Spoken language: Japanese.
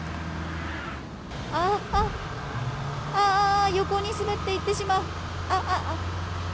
ああ横に滑っていってしまう。